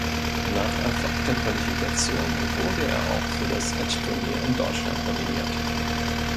Nach erfolgter Qualifikation wurde er auch für das Endturnier in Deutschland nominiert.